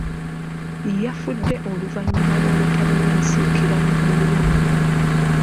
Yafudde oluvannyuma lw'olutalo lw'ensikirano oluwanvu.